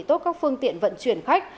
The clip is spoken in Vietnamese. tốt các phương tiện vận chuyển khách